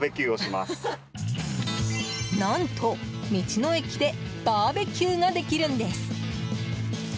何と、道の駅でバーベキューができるんです。